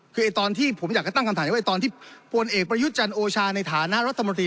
คือตอนที่ผมอยากจะตั้งคำถามไว้ตอนที่พลเอกประยุทธ์จันทร์โอชาในฐานะรัฐมนตรี